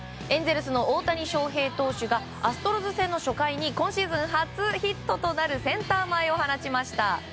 エンゼルスの大谷翔平投手がアストロズの初戦に今シーズン初ヒットとなるセンター前を放ちました。